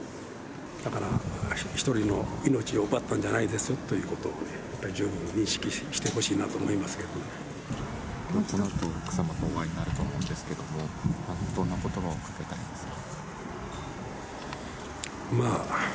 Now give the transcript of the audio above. だから１人の命を奪ったんじゃないですよというのを十分認識してこのあと、奥様とお会いになると思うんですけれども、どんなことばをかけたいですか？